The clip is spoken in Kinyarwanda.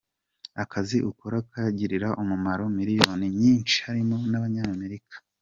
Akazi ukora kagirira umumaro miliyoni nyinshi harimo n’Abanyamerika.